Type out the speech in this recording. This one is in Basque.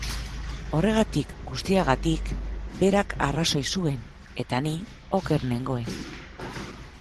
Horregatik guztiagatik, berak arrazoi zuen, eta ni oker nengoen.